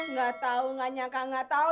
nggak tahu nggak nyangka nggak tahu